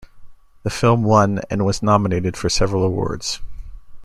The film won and was nominated for several awards.